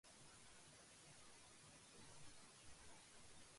شراب نوشی ام الخبائث ہےـ